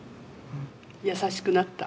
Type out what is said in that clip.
優しくなった。